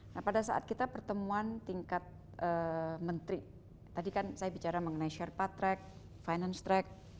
nah pada saat kita pertemuan tingkat menteri tadi kan saya bicara mengenai share part track finance track